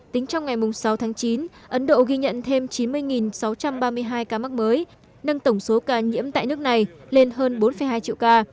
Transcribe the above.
tính trong ngày sáu tháng chín ấn độ ghi nhận thêm chín mươi sáu trăm ba mươi hai ca mắc mới nâng tổng số ca nhiễm tại nước này lên hơn bốn hai triệu ca